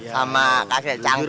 sama kakek canggul